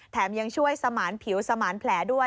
ยังช่วยสมานผิวสมานแผลด้วย